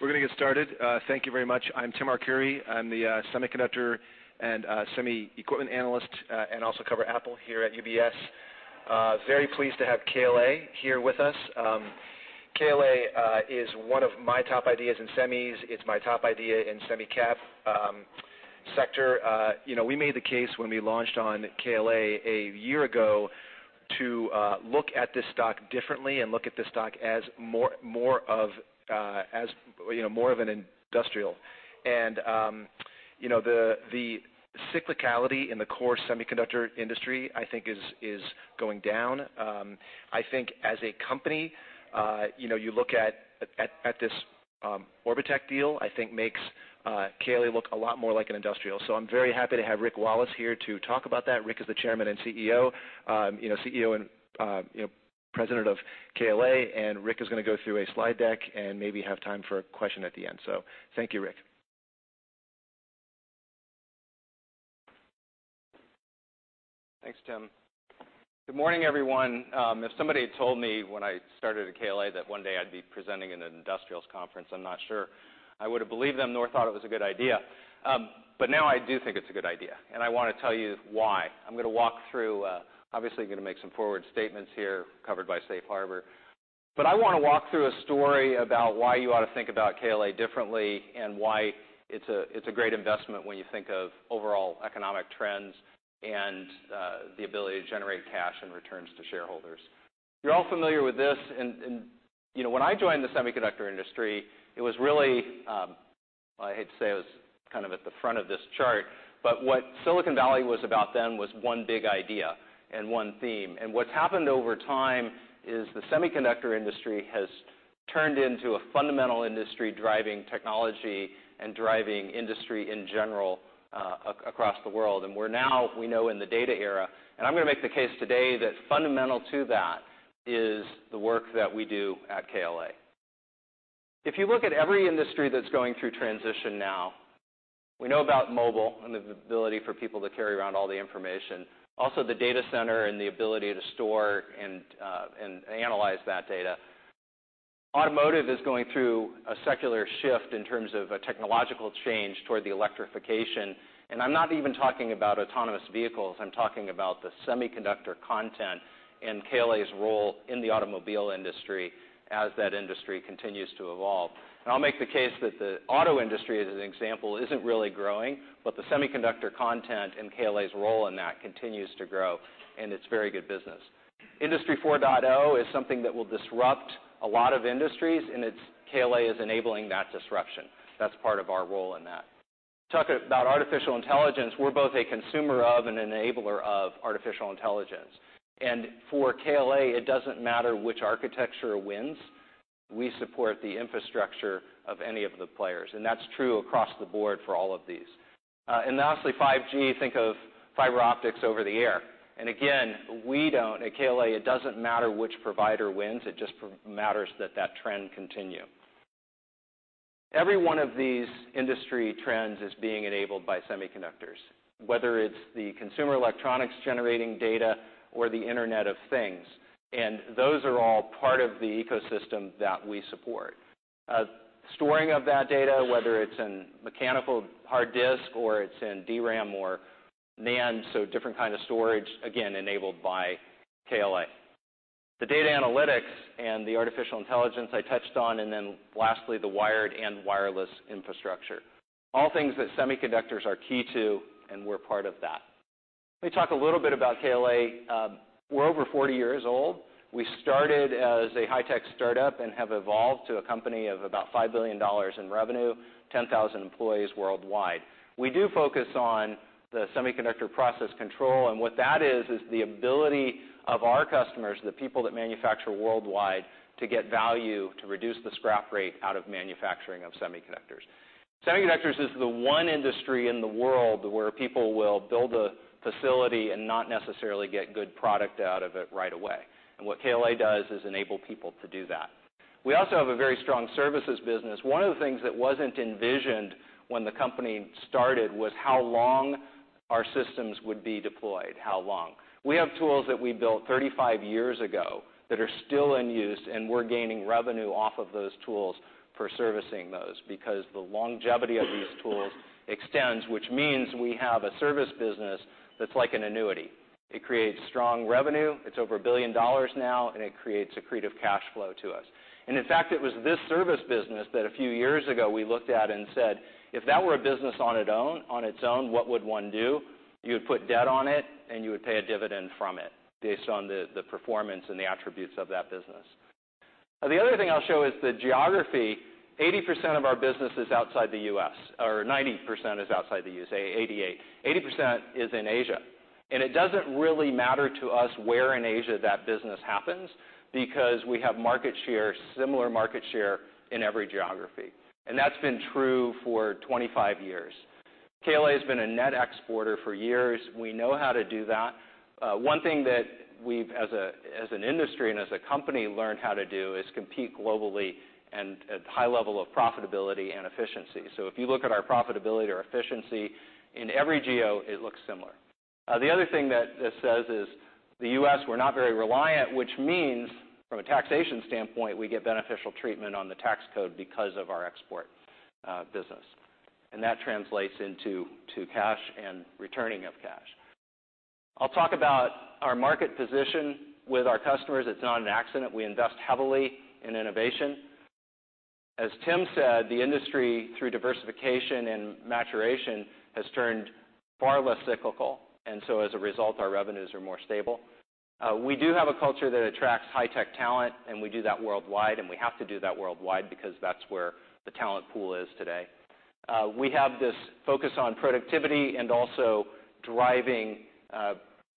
We're going to get started. Thank you very much. I'm Tim Arcuri. I'm the semiconductor and semi equipment analyst, and also cover Apple here at UBS. Very pleased to have KLA here with us. KLA is one of my top ideas in semis. It's my top idea in semi cap sector. We made the case when we launched on KLA a year ago to look at this stock differently and look at this stock as more of an industrial. The cyclicality in the core semiconductor industry, I think is going down. I think as a company, you look at this Orbotech deal, I think makes KLA look a lot more like an industrial. I'm very happy to have Rick Wallace here to talk about that. Rick is the Chairman and CEO, President of KLA, and Rick is going to go through a slide deck and maybe have time for a question at the end. Thank you, Rick. Thanks, Tim. Good morning, everyone. If somebody had told me when I started at KLA that one day I'd be presenting in an industrials conference, I'm not sure I would have believed them, nor thought it was a good idea. Now I do think it's a good idea, and I want to tell you why. I'm going to walk through, obviously going to make some forward statements here, covered by Safe Harbor, but I want to walk through a story about why you ought to think about KLA differently, and why it's a great investment when you think of overall economic trends and the ability to generate cash and returns to shareholders. You're all familiar with this, and when I joined the semiconductor industry, it was really, I hate to say, it was kind of at the front of this chart. What Silicon Valley was about then was one big idea and one theme. And what's happened over time is the semiconductor industry has turned into a fundamental industry, driving technology and driving industry in general, across the world. We're now, we know in the data era, and I'm going to make the case today that fundamental to that is the work that we do at KLA. If you look at every industry that's going through transition now, we know about mobile and the ability for people to carry around all the information. Also the data center and the ability to store and analyze that data. Automotive is going through a secular shift in terms of a technological change toward the electrification, and I'm not even talking about autonomous vehicles. I'm talking about the semiconductor content and KLA's role in the automobile industry as that industry continues to evolve. I'll make the case that the auto industry, as an example, isn't really growing, but the semiconductor content and KLA's role in that continues to grow, and it's very good business. Industry 4.0 is something that will disrupt a lot of industries, and KLA is enabling that disruption. That's part of our role in that. Talk about artificial intelligence, we're both a consumer of and enabler of artificial intelligence. For KLA, it doesn't matter which architecture wins. We support the infrastructure of any of the players, and that's true across the board for all of these. Lastly, 5G, think of fiber optics over the air. Again, we don't at KLA, it doesn't matter which provider wins, it just matters that that trend continue. Every one of these industry trends is being enabled by semiconductors, whether it's the consumer electronics generating data or the Internet of Things, and those are all part of the ecosystem that we support. Storing of that data, whether it's in mechanical hard disk or it's in DRAM or NAND, so different kind of storage, again, enabled by KLA. The data analytics and the artificial intelligence I touched on, and then lastly, the wired and wireless infrastructure. All things that semiconductors are key to, and we're part of that. Let me talk a little bit about KLA. We're over 40 years old. We started as a high-tech startup and have evolved to a company of about $5 billion in revenue, 10,000 employees worldwide. We do focus on the semiconductor process control, and what that is the ability of our customers, the people that manufacture worldwide, to get value to reduce the scrap rate out of manufacturing of semiconductors. Semiconductors is the one industry in the world where people will build a facility and not necessarily get good product out of it right away. What KLA does is enable people to do that. We also have a very strong services business. One of the things that wasn't envisioned when the company started was how long our systems would be deployed. How long. We have tools that we built 35 years ago that are still in use, and we're gaining revenue off of those tools for servicing those, because the longevity of these tools extends, which means we have a service business that's like an annuity. It creates strong revenue. It's over $1 billion now, it creates accretive cash flow to us. In fact, it was this service business that a few years ago we looked at and said, "If that were a business on its own, what would one do?" You would put debt on it, and you would pay a dividend from it based on the performance and the attributes of that business. The other thing I'll show is the geography. 80% of our business is outside the U.S., or 90% is outside the U.S., 88%. 80% is in Asia. It doesn't really matter to us where in Asia that business happens because we have market share, similar market share in every geography. That's been true for 25 years. KLA has been a net exporter for years. We know how to do that. One thing that we've, as an industry and as a company, learned how to do is compete globally and at high level of profitability and efficiency. If you look at our profitability or efficiency in every geo, it looks similar. The other thing that this says is the U.S., we're not very reliant, which means from a taxation standpoint, we get beneficial treatment on the tax code because of our export business. That translates into cash and returning of cash. I'll talk about our market position with our customers. It's not an accident. We invest heavily in innovation. As Tim said, the industry, through diversification and maturation, has turned far less cyclical. As a result, our revenues are more stable. We do have a culture that attracts high-tech talent. We do that worldwide, and we have to do that worldwide because that's where the talent pool is today. We have this focus on productivity and also driving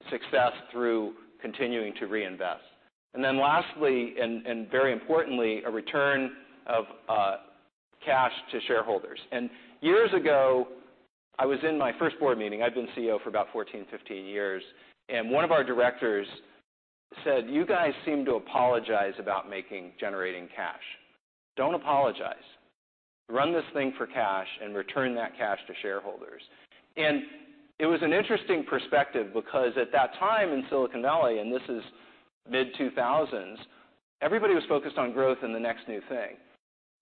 success through continuing to reinvest. Lastly, and very importantly, a return of cash to shareholders. Years ago, I was in my first board meeting. I'd been CEO for about 14, 15 years. One of our directors said, "You guys seem to apologize about making generating cash. Don't apologize. Run this thing for cash and return that cash to shareholders." It was an interesting perspective because at that time in Silicon Valley, and this is mid-2000s, everybody was focused on growth and the next new thing.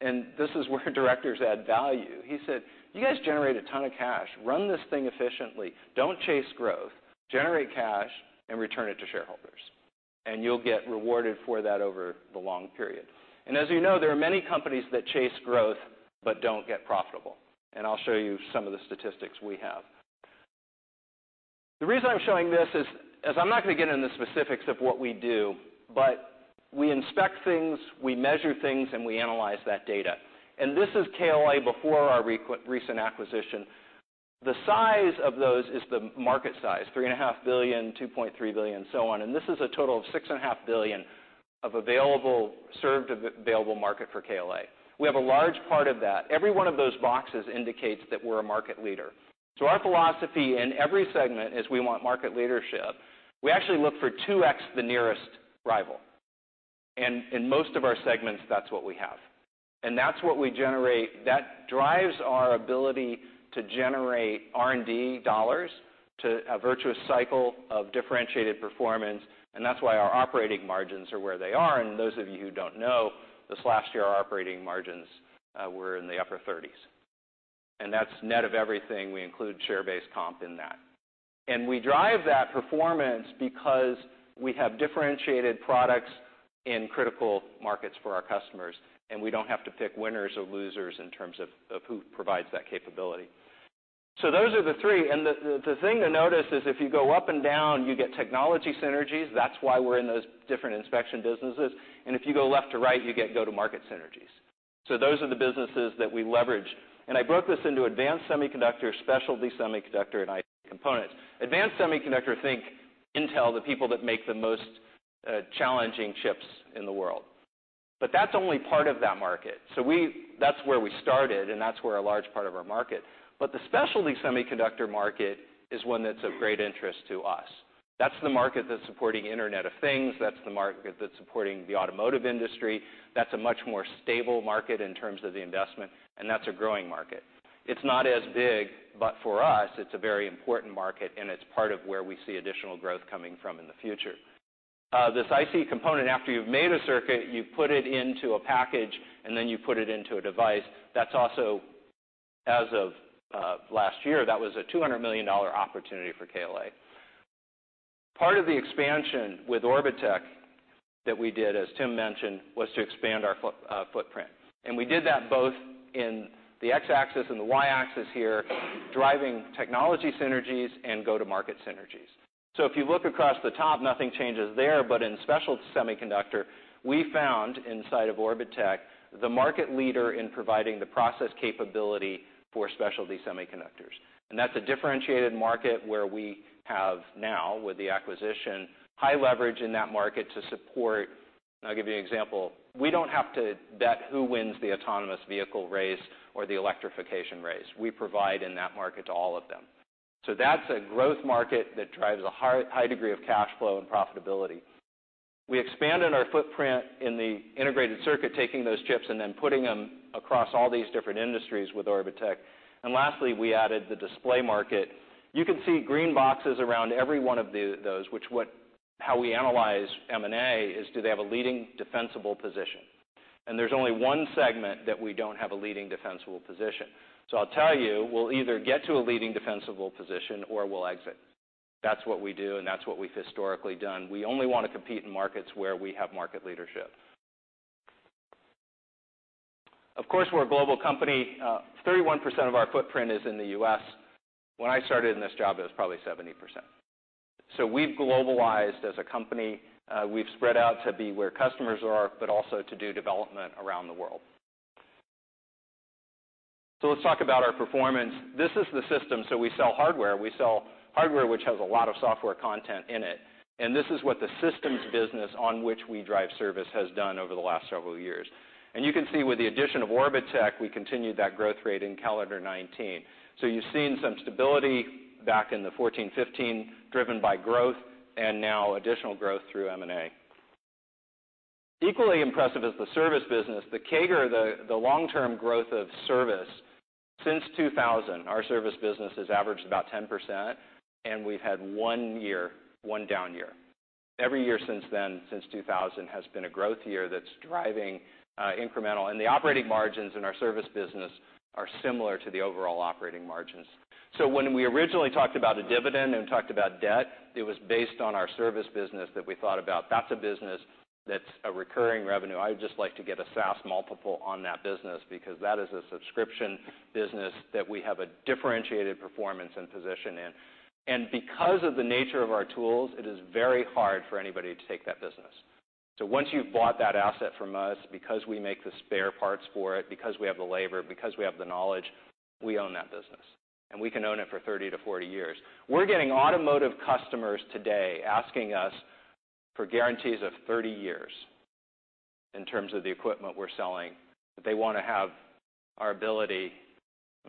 This is where directors add value. He said, "You guys generate a ton of cash. Run this thing efficiently. Don't chase growth. Generate cash and return it to shareholders, and you'll get rewarded for that over the long period. As you know, there are many companies that chase growth but don't get profitable, and I'll show you some of the statistics we have. The reason I'm showing this is, as I'm not going to get into the specifics of what we do, but we inspect things, we measure things, and we analyze that data. This is KLA before our recent acquisition. The size of those is the market size, three and a half billion dollars, $2.3 billion, so on. This is a total of six and a half billion dollars of served available market for KLA. We have a large part of that. Every one of those boxes indicates that we're a market leader. Our philosophy in every segment is we want market leadership. We actually look for 2x the nearest rival. In most of our segments, that's what we have. That's what we generate. That drives our ability to generate R&D dollars to a virtuous cycle of differentiated performance. That's why our operating margins are where they are. Those of you who don't know, this last year, our operating margins were in the upper 30s. That's net of everything. We include share-based comp in that. We drive that performance because we have differentiated products in critical markets for our customers, and we don't have to pick winners or losers in terms of who provides that capability. Those are the three, and the thing to notice is if you go up and down, you get technology synergies. That's why we're in those different inspection businesses. If you go left to right, you get go-to-market synergies. Those are the businesses that we leverage. I broke this into advanced semiconductor, specialty semiconductor, and IC components. Advanced semiconductor, think Intel, the people that make the most challenging chips in the world. That's only part of that market. That's where we started, and that's where a large part of our market. The specialty semiconductor market is one that's of great interest to us. That's the market that's supporting Internet of Things. That's the market that's supporting the automotive industry. That's a much more stable market in terms of the investment, and that's a growing market. It's not as big, but for us, it's a very important market, and it's part of where we see additional growth coming from in the future. This IC component, after you've made a circuit, you put it into a package, and then you put it into a device. That's also, as of last year, that was a $200 million opportunity for KLA. Part of the expansion with Orbotech that we did, as Tim mentioned, was to expand our footprint, and we did that both in the x-axis and the y-axis here, driving technology synergies and go-to-market synergies. If you look across the top, nothing changes there, but in specialty semiconductor, we found inside of Orbotech the market leader in providing the process capability for specialty semiconductors, and that's a differentiated market where we have now, with the acquisition, high leverage in that market to support. I'll give you an example. We don't have to bet who wins the autonomous vehicle race or the electrification race. We provide in that market to all of them. That's a growth market that drives a high degree of cash flow and profitability. We expanded our footprint in the integrated circuit, taking those chips and then putting them across all these different industries with Orbotech. Lastly, we added the display market. You can see green boxes around every one of those, which how we analyze M&A is do they have a leading defensible position? There's only one segment that we don't have a leading defensible position. I'll tell you, we'll either get to a leading defensible position or we'll exit. That's what we do, and that's what we've historically done. We only want to compete in markets where we have market leadership. Of course, we're a global company. 31% of our footprint is in the U.S. When I started in this job, it was probably 70%. We've globalized as a company. We've spread out to be where customers are, but also to do development around the world. Let's talk about our performance. This is the system. We sell hardware. We sell hardware which has a lot of software content in it, and this is what the systems business on which we drive service has done over the last several years. You can see with the addition of Orbotech, we continued that growth rate in calendar 2019. You've seen some stability back in 2014, 2015, driven by growth and now additional growth through M&A. Equally impressive is the service business. The CAGR, the long-term growth of service since 2000, our service business has averaged about 10%, and we've had one year, one down year. Every year since then, since 2000, has been a growth year that's driving incremental. The operating margins in our service business are similar to the overall operating margins. When we originally talked about a dividend and talked about debt, it was based on our service business that we thought about. That's a business that's a recurring revenue. I would just like to get a SaaS multiple on that business because that is a subscription business that we have a differentiated performance and position in. Because of the nature of our tools, it is very hard for anybody to take that business. Once you've bought that asset from us, because we make the spare parts for it, because we have the labor, because we have the knowledge, we own that business, and we can own it for 30 to 40 years. We're getting automotive customers today asking us for guarantees of 30 years in terms of the equipment we're selling, that they want to have our ability.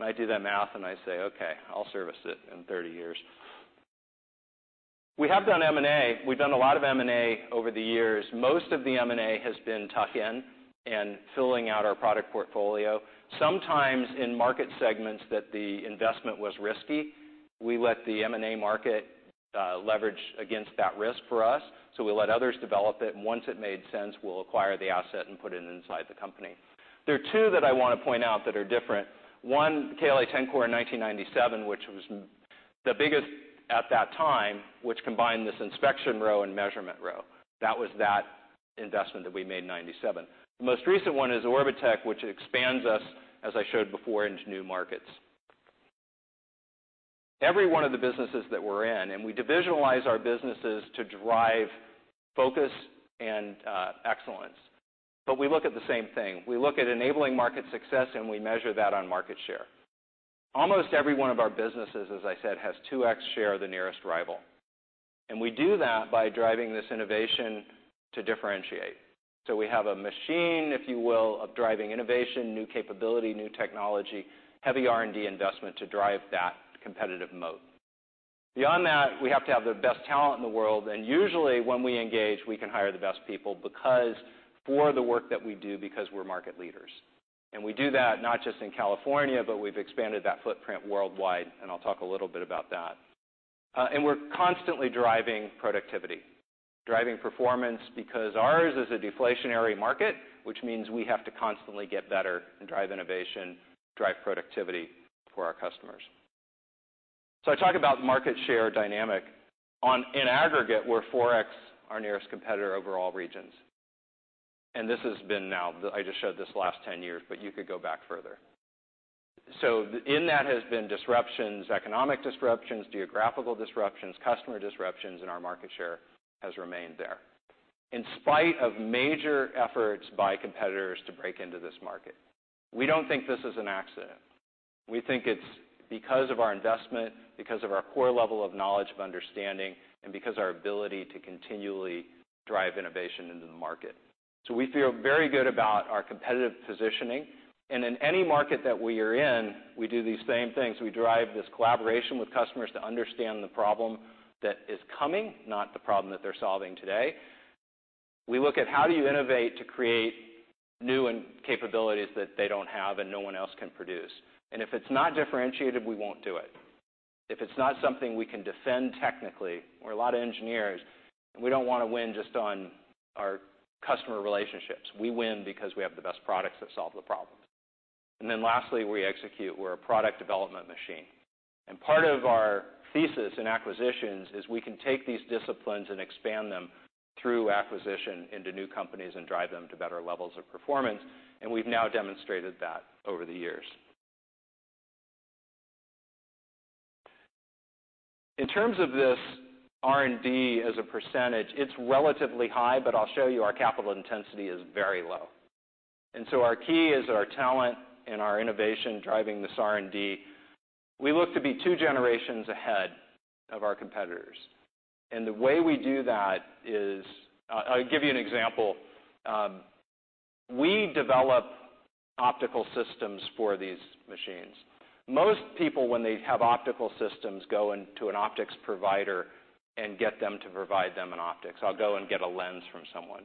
I do that math and I say, "Okay, I'll service it in 30 years." We have done M&A. We've done a lot of M&A over the years. Most of the M&A has been tuck-in and filling out our product portfolio. Sometimes in market segments that the investment was risky, we let the M&A market leverage against that risk for us. We let others develop it, and once it made sense, we'll acquire the asset and put it inside the company. There are two that I want to point out that are different. One, KLA-Tencor in 1997, which was the biggest at that time, which combined this inspection row and measurement row. That was that investment that we made in 1997. The most recent one is Orbotech, which expands us, as I showed before, into new markets. Every one of the businesses that we're in, we divisionalize our businesses to drive focus and excellence, we look at the same thing. We look at enabling market success, and we measure that on market share. Almost every one of our businesses, as I said, has 2x share of the nearest rival. We do that by driving this innovation to differentiate. We have a machine, if you will, of driving innovation, new capability, new technology, heavy R&D investment to drive that competitive mode. Beyond that, we have to have the best talent in the world, usually when we engage, we can hire the best people for the work that we do because we're market leaders. We do that not just in California, but we've expanded that footprint worldwide, and I'll talk a little bit about that. We're constantly driving productivity, driving performance because ours is a deflationary market, which means we have to constantly get better and drive innovation, drive productivity for our customers. I talk about market share dynamic. In aggregate, we're 4x our nearest competitor over all regions. This has been now, I just showed this last 10 years, you could go back further. In that has been disruptions, economic disruptions, geographical disruptions, customer disruptions, our market share has remained there. In spite of major efforts by competitors to break into this market. We don't think this is an accident. We think it's because of our investment, because of our core level of knowledge of understanding, because our ability to continually drive innovation into the market. We feel very good about our competitive positioning. In any market that we are in, we do these same things. We drive this collaboration with customers to understand the problem that is coming, not the problem that they're solving today. We look at how do you innovate to create new capabilities that they don't have and no one else can produce. If it's not differentiated, we won't do it. If it's not something we can defend technically, we're a lot of engineers. We don't want to win just on our customer relationships. We win because we have the best products that solve the problems. Lastly, we execute. We're a product development machine. Part of our thesis in acquisitions is we can take these disciplines and expand them through acquisition into new companies and drive them to better levels of performance, and we've now demonstrated that over the years. In terms of this R&D as a percentage, it's relatively high, but I'll show you our capital intensity is very low. Our key is our talent and our innovation driving this R&D. We look to be two generations ahead of our competitors. The way we do that is, I'll give you an example. We develop optical systems for these machines. Most people when they have optical systems go into an optics provider and get them to provide them an optics. I'll go and get a lens from someone.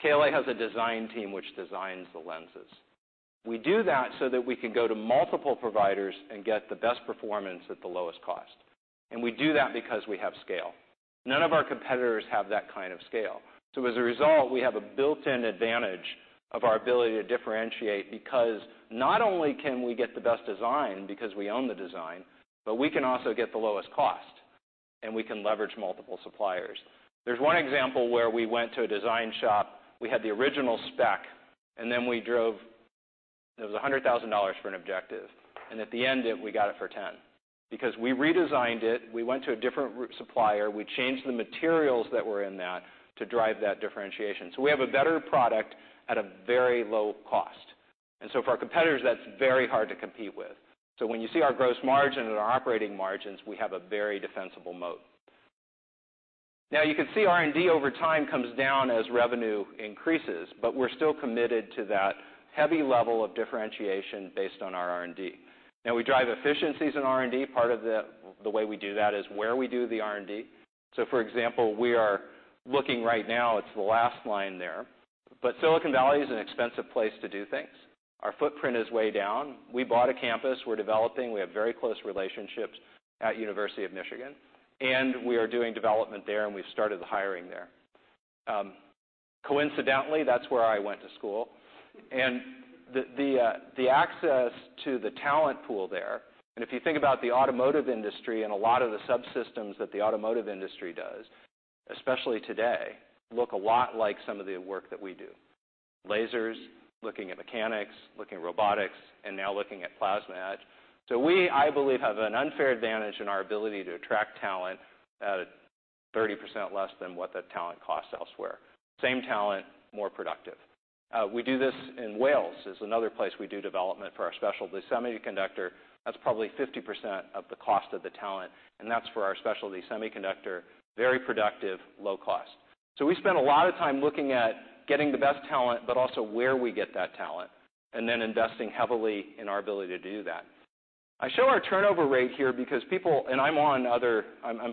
KLA has a design team which designs the lenses. We do that so that we can go to multiple providers and get the best performance at the lowest cost. We do that because we have scale. None of our competitors have that kind of scale. As a result, we have a built-in advantage of our ability to differentiate because not only can we get the best design because we own the design, but we can also get the lowest cost, and we can leverage multiple suppliers. There's one example where we went to a design shop. We had the original spec. Then we drove, it was $100,000 for an objective, and at the end, we got it for $10 because we redesigned it, we went to a different supplier, we changed the materials that were in that to drive that differentiation. We have a better product at a very low cost. For our competitors, that's very hard to compete with. When you see our gross margin and our operating margins, we have a very defensible moat. Now you can see R&D over time comes down as revenue increases. We're still committed to that heavy level of differentiation based on our R&D. We drive efficiencies in R&D. Part of the way we do that is where we do the R&D. For example, we are looking right now, it's the last line there. Silicon Valley is an expensive place to do things. Our footprint is way down. We bought a campus we're developing. We have very close relationships at University of Michigan. We are doing development there, and we've started the hiring there. Coincidentally, that's where I went to school. The access to the talent pool there, if you think about the automotive industry and a lot of the subsystems that the automotive industry does, especially today, look a lot like some of the work that we do. Lasers, looking at mechanics, looking at robotics, and now looking at plasma etch. We, I believe, have an unfair advantage in our ability to attract talent at 30% less than what that talent costs elsewhere. Same talent, more productive. We do this in Wales. It's another place we do development for our specialty semiconductor. That's probably 50% of the cost of the talent, and that's for our specialty semiconductor, very productive, low cost. We spend a lot of time looking at getting the best talent, but also where we get that talent, and then investing heavily in our ability to do that. I show our turnover rate here because people, and I'm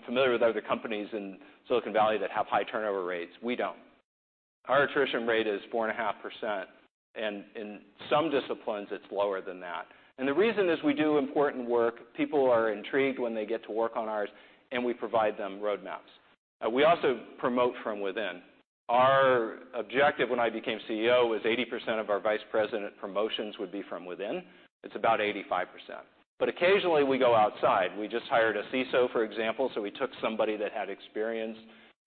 familiar with other companies in Silicon Valley that have high turnover rates. We don't. Our attrition rate is 4.5%, and in some disciplines, it's lower than that. The reason is we do important work. People are intrigued when they get to work on ours, and we provide them roadmaps. We also promote from within. Our objective when I became CEO was 80% of our vice president promotions would be from within. It's about 85%. Occasionally we go outside. We just hired a CISO, for example, so we took somebody that had experience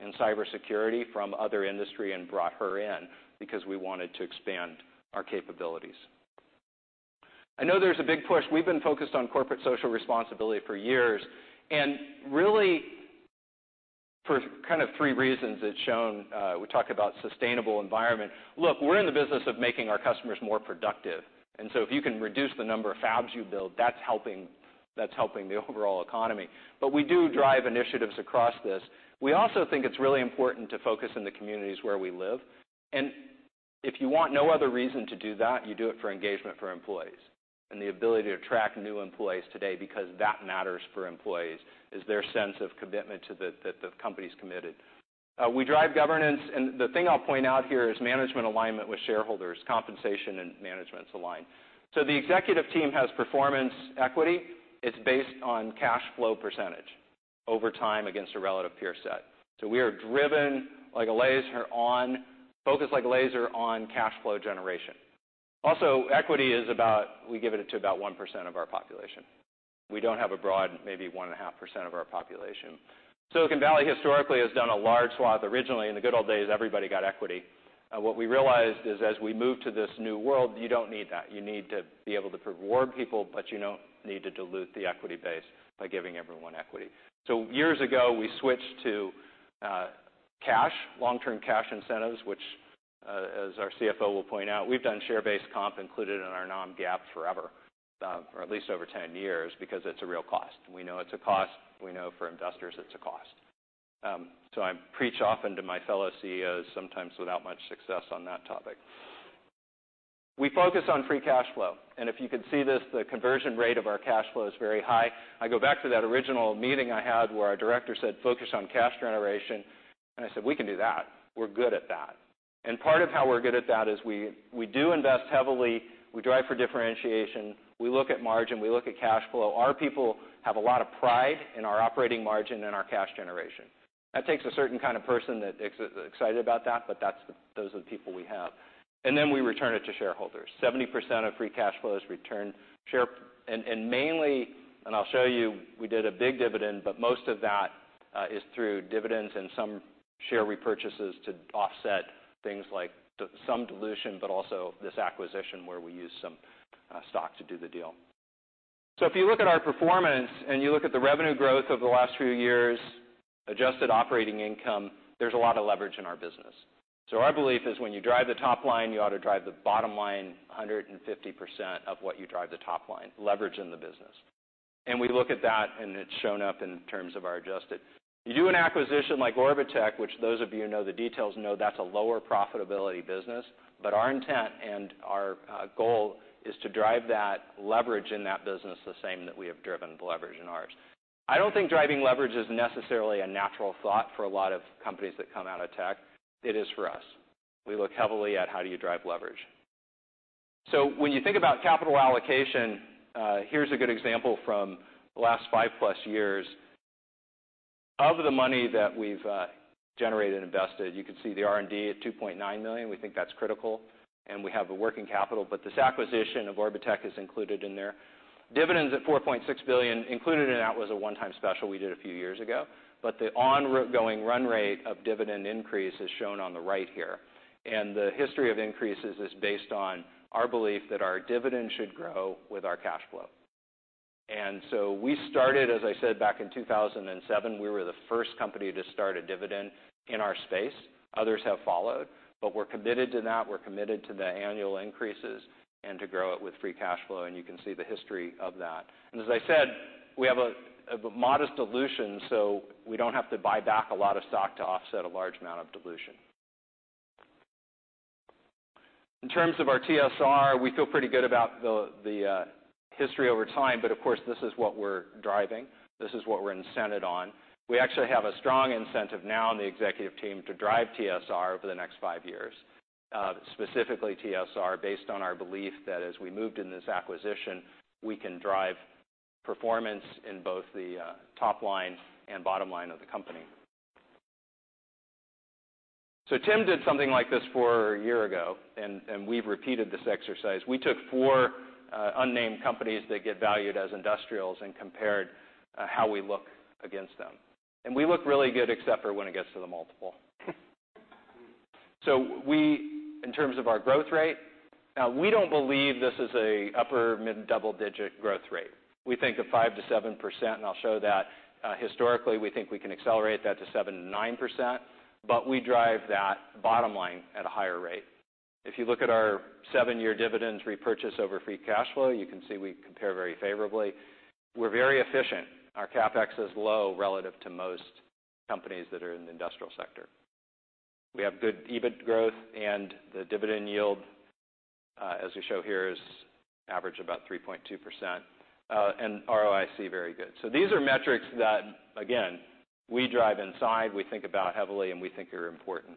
in cybersecurity from other industry and brought her in because we wanted to expand our capabilities. I know there's a big push. We've been focused on corporate social responsibility for years, and really for kind of three reasons, it's shown. We talk about sustainable environment. Look, we're in the business of making our customers more productive, so if you can reduce the number of fabs you build, that's helping the overall economy. We do drive initiatives across this. We also think it's really important to focus in the communities where we live. If you want no other reason to do that, you do it for engagement for employees and the ability to attract new employees today, because that matters for employees, is their sense of commitment to that the company's committed. We drive governance, and the thing I'll point out here is management alignment with shareholders. Compensation and management's aligned. The executive team has performance equity. It's based on cash flow percentage over time against a relative peer set. We are driven like a laser, focus like a laser on cash flow generation. Equity is about, we give it to about 1% of our population. We don't have a broad, maybe 1.5% of our population. Silicon Valley historically has done a large swath. Originally, in the good old days, everybody got equity. What we realized is as we move to this new world, you don't need that. You need to be able to reward people, but you don't need to dilute the equity base by giving everyone equity. Years ago, we switched to cash, long-term cash incentives, which, as our CFO will point out, we've done share-based comp included in our non-GAAP forever, or at least over 10 years, because it's a real cost. We know it's a cost. We know for investors it's a cost. I preach often to my fellow CEOs, sometimes without much success on that topic. We focus on free cash flow, if you could see this, the conversion rate of our cash flow is very high. I go back to that original meeting I had where our director said, "Focus on cash generation," I said, "We can do that. We're good at that." Part of how we're good at that is we do invest heavily. We drive for differentiation. We look at margin. We look at cash flow. Our people have a lot of pride in our operating margin and our cash generation. That takes a certain kind of person that gets excited about that, but those are the people we have. Then we return it to shareholders. 70% of free cash flow is return share. Mainly, and I'll show you, we did a big dividend, but most of that is through dividends and some share repurchases to offset things like some dilution, but also this acquisition where we use some stock to do the deal. If you look at our performance and you look at the revenue growth over the last few years, adjusted operating income, there's a lot of leverage in our business. Our belief is when you drive the top line, you ought to drive the bottom line 150% of what you drive the top line, leverage in the business. We look at that, and it's shown up in terms of our adjusted. You do an acquisition like Orbotech, which those of you who know the details know that's a lower profitability business, but our intent and our goal is to drive that leverage in that business the same that we have driven the leverage in ours. I don't think driving leverage is necessarily a natural thought for a lot of companies that come out of tech. It is for us. We look heavily at how do you drive leverage. When you think about capital allocation, here's a good example from the last five-plus years. Of the money that we've generated and invested, you can see the R&D at $2.9 billion. We think that's critical, and we have a working capital, but this acquisition of Orbotech is included in there. Dividends at $4.6 billion included in that was a one-time special we did a few years ago, but the ongoing run rate of dividend increase is shown on the right here. The history of increases is based on our belief that our dividend should grow with our cash flow. We started, as I said, back in 2007. We were the first company to start a dividend in our space. Others have followed, but we're committed to that. We're committed to the annual increases and to grow it with free cash flow, and you can see the history of that. As I said, we have a modest dilution, so we don't have to buy back a lot of stock to offset a large amount of dilution. In terms of our TSR, we feel pretty good about the history over time, but of course, this is what we're driving. This is what we're incented on. We actually have a strong incentive now on the executive team to drive TSR over the next five years. Specifically TSR, based on our belief that as we moved in this acquisition, we can drive performance in both the top line and bottom line of the company. Tim did something like this for a year ago, and we've repeated this exercise. We took four unnamed companies that get valued as industrials and compared how we look against them, and we look really good except for when it gets to the multiple. In terms of our growth rate, we don't believe this is an upper mid double-digit growth rate. We think of 5%-7%, and I'll show that historically, we think we can accelerate that to 7%-9%, but we drive that bottom line at a higher rate. If you look at our 7-year dividends repurchase over free cash flow, you can see we compare very favorably. We're very efficient. Our CapEx is low relative to most companies that are in the industrial sector. We have good EBIT growth, and the dividend yield, as we show here, is average about 3.2%, and ROIC, very good. These are metrics that, again, we drive inside, we think about heavily, and we think are important.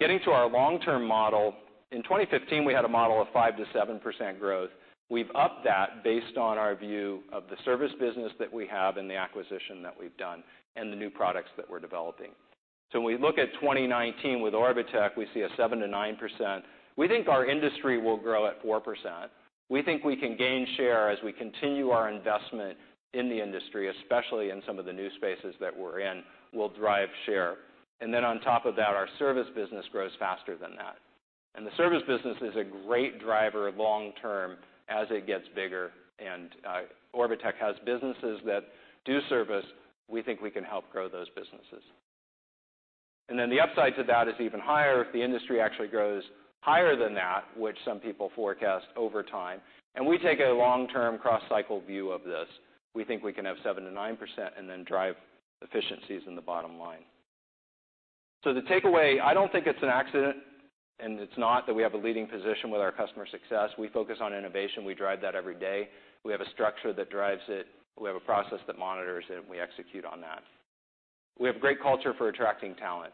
Getting to our long-term model, in 2015, we had a model of 5%-7% growth. We've upped that based on our view of the service business that we have and the acquisition that we've done, and the new products that we're developing. When we look at 2019 with Orbotech, we see a 7%-9%. We think our industry will grow at 4%. We think we can gain share as we continue our investment in the industry, especially in some of the new spaces that we're in, will drive share. On top of that, our service business grows faster than that. The service business is a great driver long term as it gets bigger, and Orbotech has businesses that do service. We think we can help grow those businesses. The upside to that is even higher if the industry actually grows higher than that, which some people forecast over time, and we take a long-term cross-cycle view of this. We think we can have 7%-9% and then drive efficiencies in the bottom line. The takeaway, I don't think it's an accident, and it's not that we have a leading position with our customer success. We focus on innovation. We drive that every day. We have a structure that drives it. We have a process that monitors it, and we execute on that. We have great culture for attracting talent.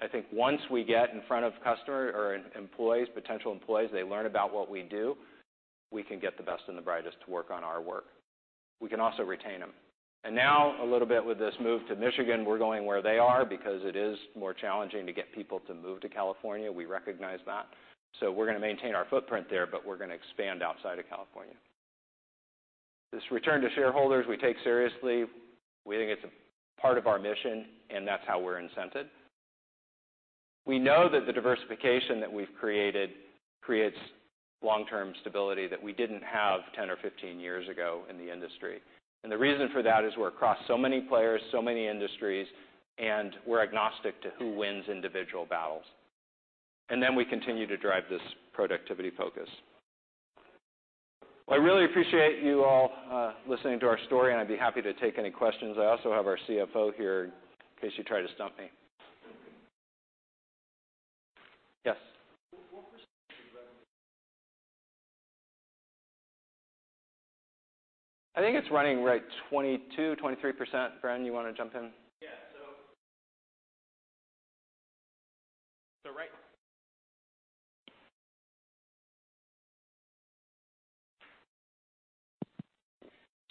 I think once we get in front of potential employees, they learn about what we do, we can get the best and the brightest to work on our work. We can also retain them. Now, a little bit with this move to Michigan, we're going where they are because it is more challenging to get people to move to California. We recognize that. We're going to maintain our footprint there, but we're going to expand outside of California. This return to shareholders, we take seriously. We think it's a part of our mission, and that's how we're incented. We know that the diversification that we've created creates long-term stability that we didn't have 10 or 15 years ago in the industry. The reason for that is we're across so many players, so many industries, and we're agnostic to who wins individual battles. We continue to drive this productivity focus. I really appreciate you all listening to our story, and I'd be happy to take any questions. I also have our CFO here in case you try to stump me. Yes. What % is revenue? I think it's running right 22%-23%. Fran, you want to jump in? Yeah.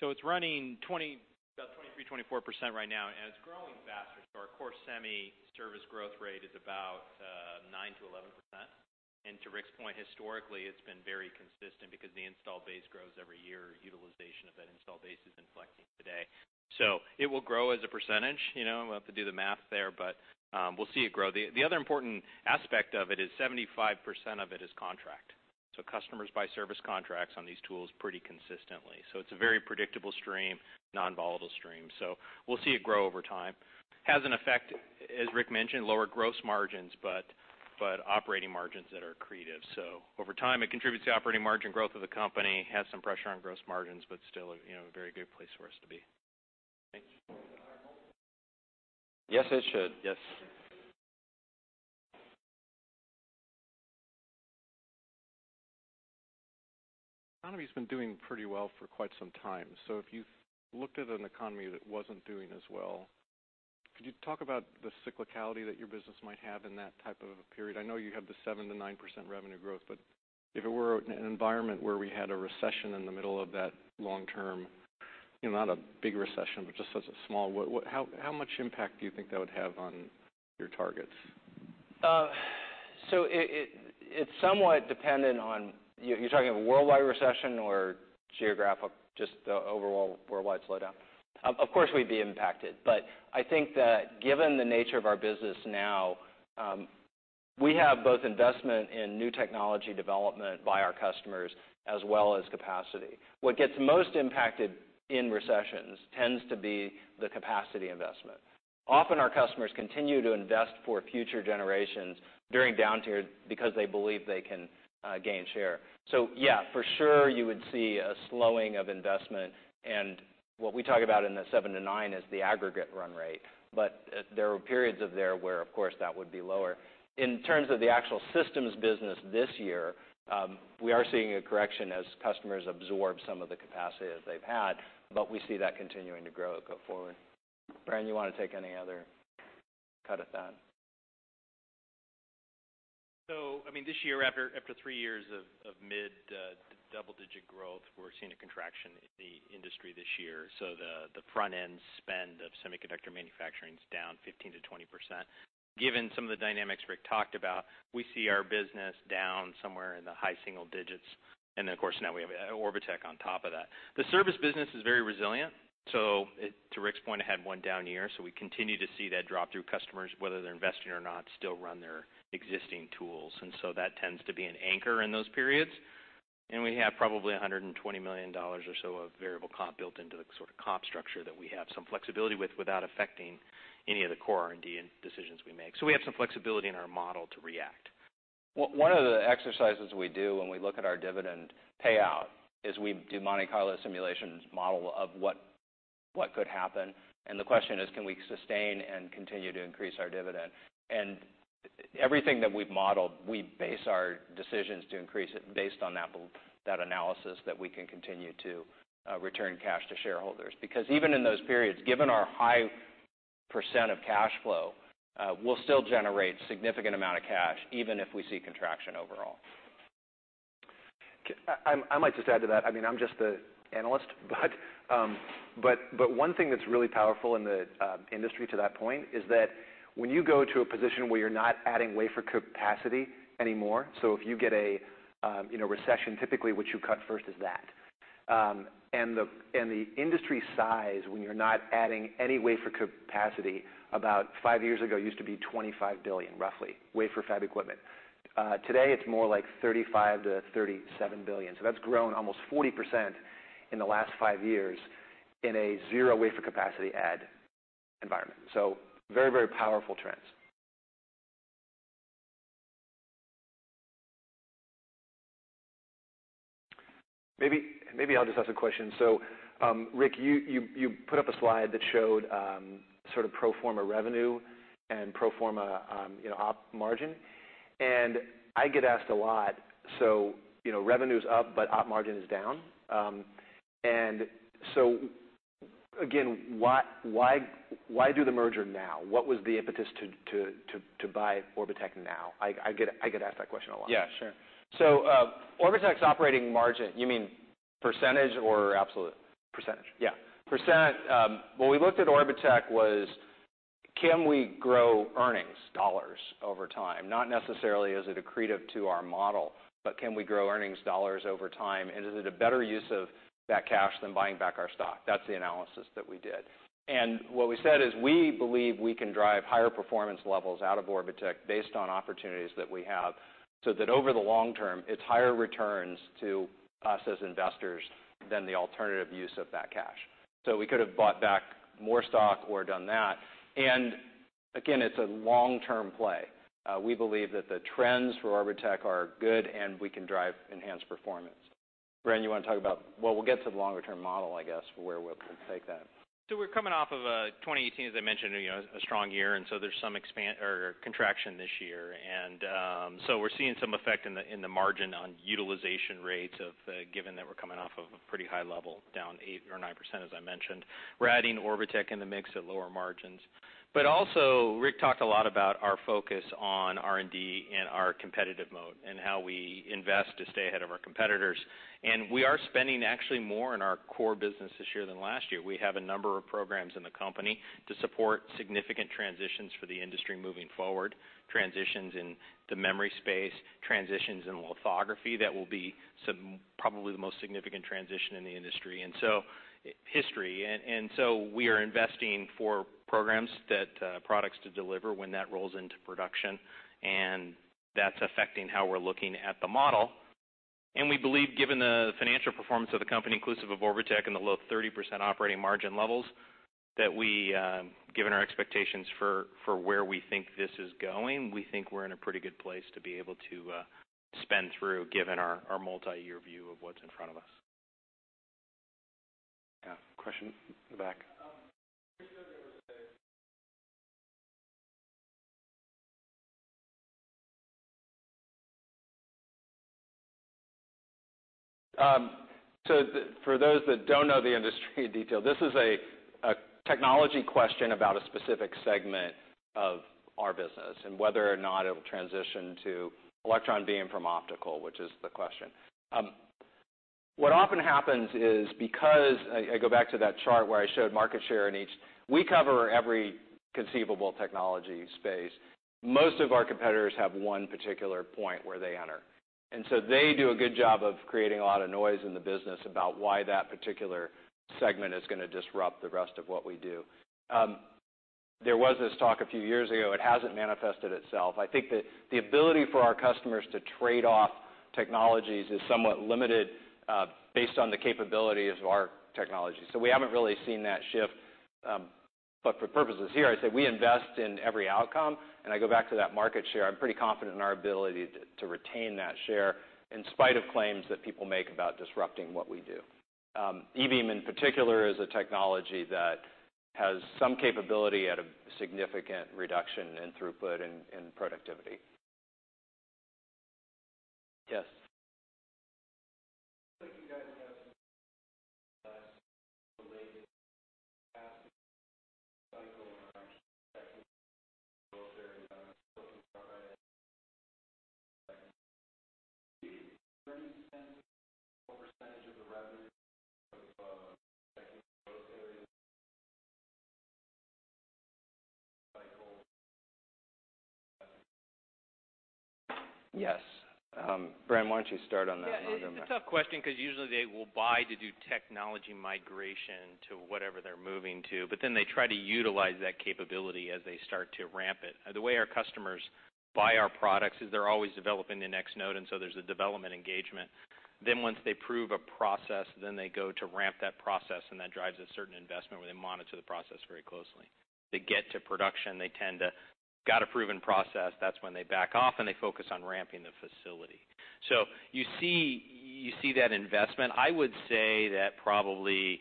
It's running about 23%-24% right now, and it's growing faster. Our Core Semi service growth rate is about 9%-11%. To Rick's point, historically, it's been very consistent because the install base grows every year. Utilization of that install base has been flexing today. It will grow as a percentage. We'll have to do the math there, but we'll see it grow. The other important aspect of it is 75% of it is contract. Customers buy service contracts on these tools pretty consistently. It's a very predictable stream, non-volatile stream. We'll see it grow over time. Has an effect, as Rick mentioned, lower gross margins, but operating margins that are accretive. Over time, it contributes to operating margin growth of the company, has some pressure on gross margins, but still, a very good place for us to be. Thanks. Should that hold? Yes, it should. Yes. If you looked at an economy that wasn't doing as well, could you talk about the cyclicality that your business might have in that type of a period? I know you have the 7% to 9% revenue growth, but if it were in an environment where we had a recession in the middle of that long term, not a big recession, but just as a small, how much impact do you think that would have on your targets? It's somewhat dependent on, you're talking a worldwide recession or geographic, just the overall worldwide slowdown. Of course, we'd be impacted, but I think that given the nature of our business now, we have both investment in new technology development by our customers as well as capacity. What gets most impacted in recessions tends to be the capacity investment. Often our customers continue to invest for future generations during downturn because they believe they can gain share. Yeah, for sure you would see a slowing of investment, and what we talk about in the 7%-9% is the aggregate run rate. There are periods there where, of course, that would be lower. In terms of the actual systems business this year, we are seeing a correction as customers absorb some of the capacity that they've had, but we see that continuing to grow going forward. Bren, you want to take any other cut at that? This year, after three years of mid-double-digit growth, we're seeing a contraction in the industry this year, the front-end spend of semiconductor manufacturing is down 15%-20%. Given some of the dynamics Rick talked about, we see our business down somewhere in the high single digits. Of course, now we have Orbotech on top of that. The service business is very resilient, to Rick's point, it had one down year, we continue to see that drop through customers, whether they're investing or not, still run their existing tools. That tends to be an anchor in those periods. We have probably $120 million or so of variable comp built into the sort of comp structure that we have some flexibility with without affecting any of the core R&D decisions we make. We have some flexibility in our model to react. One of the exercises we do when we look at our dividend payout is we do Monte Carlo simulations model of what could happen, the question is: Can we sustain and continue to increase our dividend? Everything that we've modeled, we base our decisions to increase it based on that analysis that we can continue to return cash to shareholders. Even in those periods, given our high % of cash flow, we'll still generate significant amount of cash even if we see contraction overall. I'd like to just add to that. I'm just the analyst, one thing that's really powerful in the industry to that point is that when you go to a position where you're not adding wafer capacity anymore, if you get a recession, typically what you cut first is that. The industry size, when you're not adding any wafer capacity, about five years ago, it used to be $25 billion, roughly, wafer fab equipment. Today, it's more like $35 billion-$37 billion, that's grown almost 40% in the last five years in a zero wafer capacity add environment. Very powerful trends. Maybe I'll just ask a question. Rick, you put up a slide that showed pro forma revenue and pro forma op margin. I get asked a lot, revenue's up, op margin is down. Again, why do the merger now? What was the impetus to buy Orbotech now? I get asked that question a lot. Yeah, sure. Orbotech's operating margin, you mean percentage or absolute? Percentage. Yeah. Percent. When we looked at Orbotech, was can we grow earnings dollars over time? Not necessarily is it accretive to our model, but can we grow earnings dollars over time, and is it a better use of that cash than buying back our stock? That's the analysis that we did. What we said is we believe we can drive higher performance levels out of Orbotech based on opportunities that we have, so that over the long term, it's higher returns to us as investors than the alternative use of that cash. We could have bought back more stock or done that, and again, it's a long-term play. We believe that the trends for Orbotech are good, and we can drive enhanced performance. [Fran], you want to talk about Well, we'll get to the longer-term model, I guess, for where we'll take that. We're coming off of 2018, as I mentioned, a strong year, there's some contraction this year. We're seeing some effect in the margin on utilization rates given that we're coming off of a pretty high level, down 8% or 9%, as I mentioned. We're adding Orbotech in the mix at lower margins. Also, Rick talked a lot about our focus on R&D and our competitive mode and how we invest to stay ahead of our competitors. We are spending actually more on our core business this year than last year. We have a number of programs in the company to support significant transitions for the industry moving forward, transitions in the memory space, transitions in lithography that will be probably the most significant transition in the industry, and so history. We are investing for programs, products to deliver when that rolls into production, that's affecting how we're looking at the model. We believe, given the financial performance of the company, inclusive of Orbotech and the low 30% operating margin levels, that given our expectations for where we think this is going, we think we're in a pretty good place to be able to spend through, given our multi-year view of what's in front of us. Yeah. Question in the back. For those that don't know the industry in detail, this is a technology question about a specific segment of our business and whether or not it will transition to electron beam from optical, which is the question. What often happens is because, I go back to that chart where I showed market share in each, we cover every conceivable technology space. Most of our competitors have one particular point where they enter. They do a good job of creating a lot of noise in the business about why that particular segment is going to disrupt the rest of what we do. There was this talk a few years ago. It hasn't manifested itself. I think that the ability for our customers to trade off technologies is somewhat limited based on the capabilities of our technology. We haven't really seen that shift, for purposes here, I'd say we invest in every outcome, I go back to that market share. I'm pretty confident in our ability to retain that share in spite of claims that people make about disrupting what we do. E-beam, in particular, is a technology that has some capability at a significant reduction in throughput and productivity. Yes. It looks like you guys have some less related capacity cycle around packaging growth areas, looking out at it. Do you have any sense what % of the revenue of packaging growth areas cycle? Yes. [Fran], why don't you start on that and I'll come back. It's a tough question because usually they will buy to do technology migration to whatever they're moving to, but then they try to utilize that capability as they start to ramp it. The way our customers buy our products is they're always developing the next node. There's a development engagement. Once they prove a process, then they go to ramp that process, and that drives a certain investment where they monitor the process very closely. They get to production, they tend to got a proven process, that's when they back off and they focus on ramping the facility. You see that investment. I would say that probably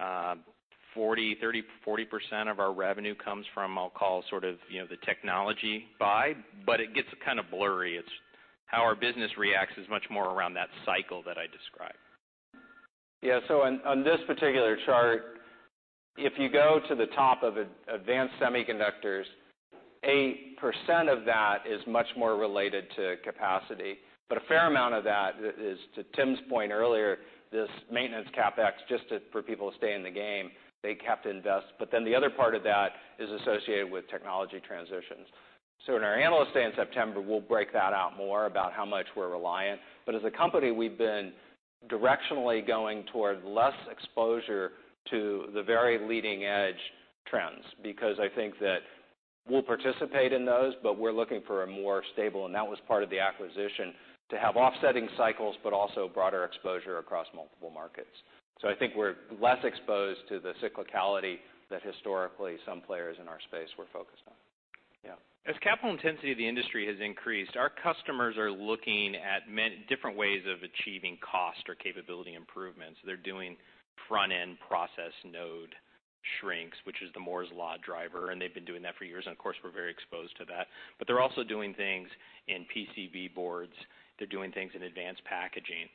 30%-40% of our revenue comes from, I'll call, sort of the technology buy, but it gets kind of blurry. It's how our business reacts is much more around that cycle that I described. On this particular chart, if you go to the top of advanced semiconductors, 8% of that is much more related to capacity. A fair amount of that is, to Tim's point earlier, this maintenance CapEx, just for people to stay in the game, they have to invest. The other part of that is associated with technology transitions. In our Analyst Day in September, we'll break that out more about how much we're reliant. As a company, we've been directionally going toward less exposure to the very leading-edge trends, because I think that we'll participate in those, but we're looking for a more stable, and that was part of the acquisition, to have offsetting cycles, but also broader exposure across multiple markets. I think we're less exposed to the cyclicality that historically some players in our space were focused on. As capital intensity of the industry has increased, our customers are looking at many different ways of achieving cost or capability improvements. They're doing front-end process node shrinks, which is the Moore's Law driver, and they've been doing that for years, and of course, we're very exposed to that. They're also doing things in PCB boards. They're doing things in advanced packaging.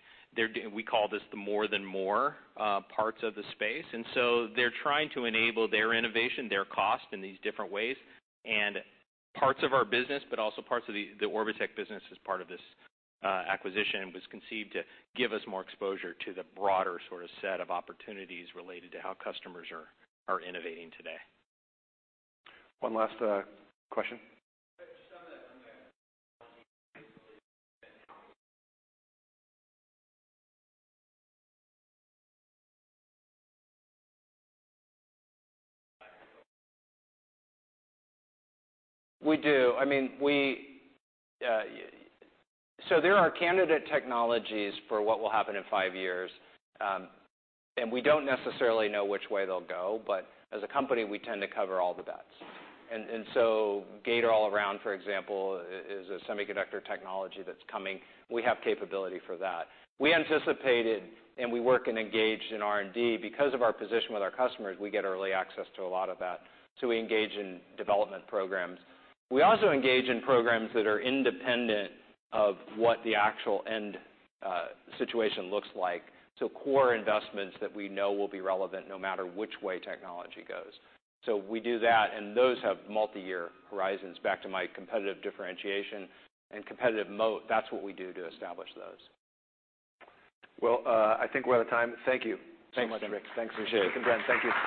We call this the More than Moore parts of the space. They're trying to enable their innovation, their cost in these different ways, and parts of our business, but also parts of the Orbotech business as part of this acquisition was conceived to give us more exposure to the broader sort of set of opportunities related to how customers are innovating today. One last question. Just on that, on the technology We do. There are candidate technologies for what will happen in five years, we don't necessarily know which way they'll go, but as a company, we tend to cover all the bets. Gate-all-around, for example, is a semiconductor technology that's coming. We have capability for that. We anticipated, and we work and engage in R&D. Because of our position with our customers, we get early access to a lot of that, so we engage in development programs. We also engage in programs that are independent of what the actual end situation looks like, so core investments that we know will be relevant no matter which way technology goes. We do that, and those have multi-year horizons. Back to my competitive differentiation and competitive moat, that's what we do to establish those. Well, I think we're out of time. Thank you so much, Rick. [Fran] Thanks. I appreciate it, thank you.